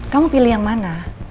kamu pilih yang mana